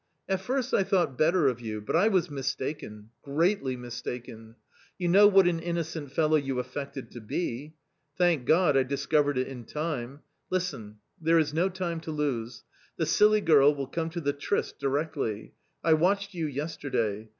" At first I thought better of you, but I was mistaken, greatly mistaken ! You know what an innocent fellow you affected to be ! Thank God, I discovered it in time ! Listen ; there is no time to lose ; the silly girl will come to the tryst directly. I watched you yesterday.